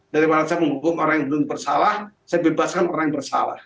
daripada saya menghukum orang yang belum bersalah saya bebaskan orang yang bersalah